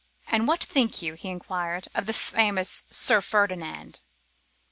'And what think you,' he enquired, 'of the famous Sir Ferdinand?